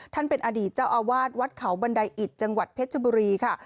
ท่านเป็นอดีตเจ้าอาวาสวัดเขาบันไดอิตจังหวัดเพชรบุรีค่ะ